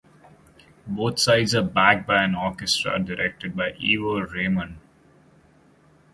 Both sides are backed by an orchestra directed by Ivor Raymonde.